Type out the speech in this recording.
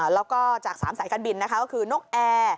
แล้วก็จาก๓สายการบินนะคะก็คือนกแอร์